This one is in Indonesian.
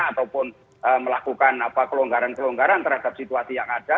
ataupun melakukan kelonggaran kelonggaran terhadap situasi yang ada